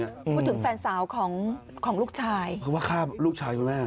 แบบถึงแฟนสาวของลูกชาย